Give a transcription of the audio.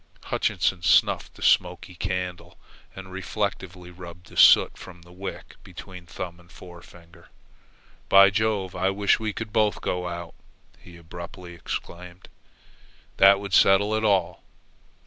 Hutchinson snuffed the smoky candle and reflectively rubbed the soot from the wick between thumb and forefinger. "By Jove, I wish we could both go out!" he abruptly exclaimed. "That would settle it all."